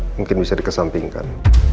mungkin bisa dikesampingkan